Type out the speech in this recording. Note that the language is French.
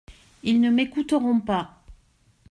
Ils ne m’écouteront pas.